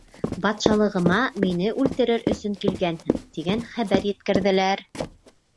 — Батшалығыма мине үлтерер өсөн килгәнһең, тигән хәбәр еткерҙеләр.